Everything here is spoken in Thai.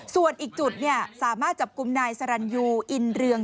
ส่วนอีกจุดสามารถจับกลุ่มนายสรรยูอินเรือง